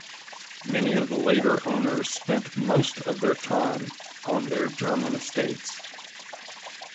Many of the later owners spent most of their time on their German estates.